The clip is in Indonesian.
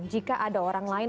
jika ada orang lain